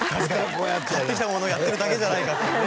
確かに買ってきたものをやってるだけじゃないかってね